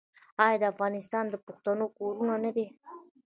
آیا افغانستان د پښتنو کور نه دی؟